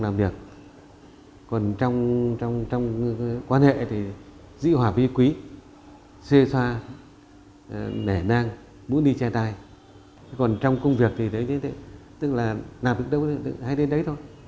muốn đi chè đài còn trong công việc thì tức là làm được đâu hay đến đấy thôi